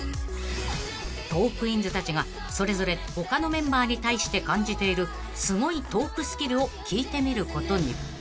［トークィーンズたちがそれぞれ他のメンバーに対して感じているすごいトークスキルを聞いてみることに］